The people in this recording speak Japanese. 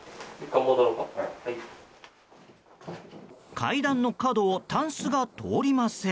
階段の角をたんすが通りません。